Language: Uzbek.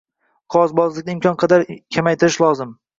Qogʻozbozlikni imkon qadar kamaytirish lozim